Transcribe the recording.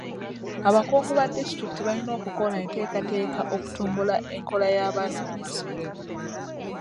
Abakungu ba disitulikiti balina okukola enteekateeka okutumbula enkola y'abaana mu masomero.